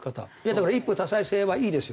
だから一夫多妻制はいいですよ。